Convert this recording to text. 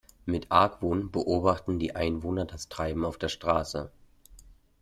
Mit Argwohn beobachten die Einwohner das Treiben auf der Straße.